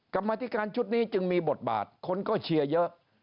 กรรมธิการชุดนี้จึงมีบทบาทคนก็เชียร์เยอะ